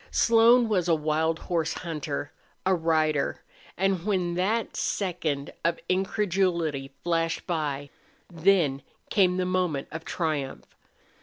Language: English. Slone was a wild horse hunter, a rider, and when that second of incredulity flashed by, then came the moment of triumph.